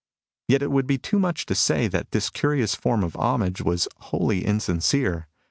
Yet it would be too much to say that this curious form of homage was wholly insincere.